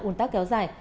ùn tắc kéo dài